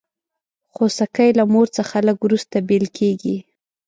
خوسکی له مور څخه لږ وروسته بېل کېږي.